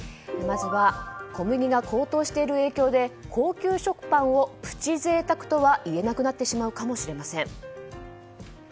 まずは小麦が高騰している影響で高級食パンをプチ贅沢とは言えなくなってしまうかもしれません。